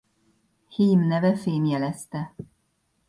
Heem neve fémjelezte.